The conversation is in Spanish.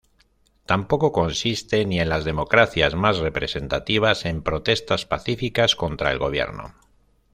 Tampoco consiste, ni en las democracias más representativas, en protestas pacíficas contra el gobierno.